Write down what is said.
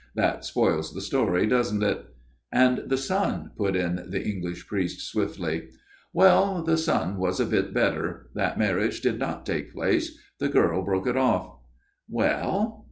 That spoils the story, doesn't it ?"" And the son ?" put in the English priest swiftly. 168 A MIRROR OF SHALOTT "Well, the son was a bit better. That marriage did not take place. The girl broke it off." " Well